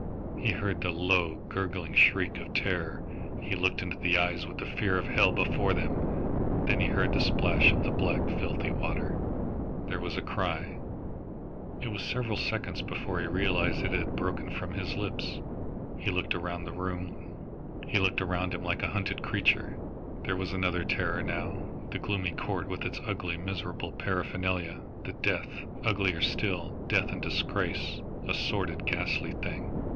He heard the low, gurgling shriek of terror; he looked into the eyes with the fear of hell before them! Then he heard the splash of the black, filthy water. There was a cry. It was several seconds before he realised that it had broken from his lips. He looked around him like a hunted creature. There was another terror now the gloomy court with its ugly, miserable paraphernalia the death, uglier still, death in disgrace, a sordid, ghastly thing!